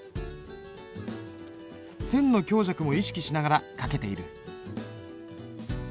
線の強弱も意識しながら書けている。